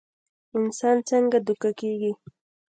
انسان څنګ دوکه کيږي